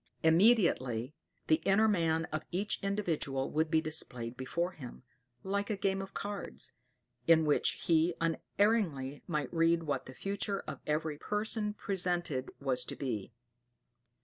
Immediately 'the inner man' of each individual would be displayed before him, like a game of cards, in which he unerringly might read what the future of every person presented was to be.